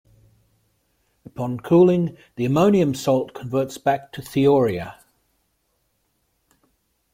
Upon cooling, the ammonium salt converts back to thiourea.